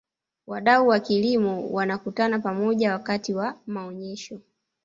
wadau wa kilimo wanakutana pamoja wakati wa maonyesho